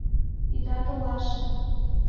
Ида толаше!